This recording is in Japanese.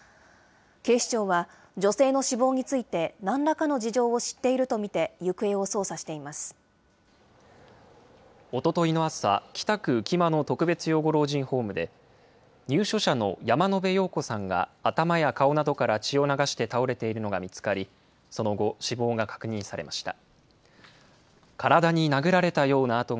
警視庁は、女性の死亡についてなんらかの事情を知っていると見て行方を捜査おとといの朝、北区浮間の特別養護老人ホームで、入所者の山野邉陽子さんが頭や顔などから血を流して倒れているのが見つかり、その後、死亡が確認されました。